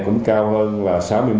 cũng cao hơn là sáu mươi một ba